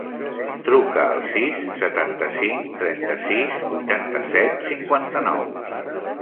Truca al sis, setanta-cinc, trenta-sis, vuitanta-set, cinquanta-nou.